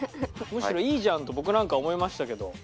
むしろいいじゃんと僕なんか思いましたけど。